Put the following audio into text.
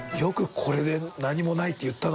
これで「何もない」って言ったな